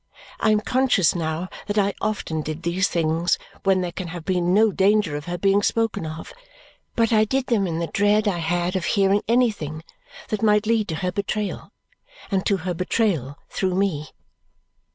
I am conscious now that I often did these things when there can have been no danger of her being spoken of, but I did them in the dread I had of hearing anything that might lead to her betrayal, and to her betrayal through me.